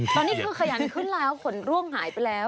ตอนนี้คือขยันขึ้นแล้วผลร่วงหายไปแล้ว